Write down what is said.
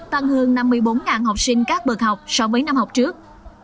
tăng hơn năm mươi bốn học sinh các bậc học so với năm học trước